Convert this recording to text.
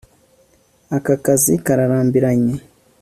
Aka kazi kararambiranye